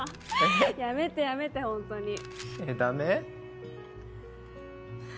やめてやめてホントにえダメ？